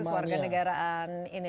kasus warga negaraan ini